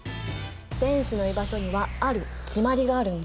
電子の居場所にはある決まりがあるんだ。